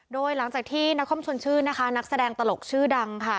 โดยหลังจากที่นครชวนชื่นนะคะนักแสดงตลกชื่อดังค่ะ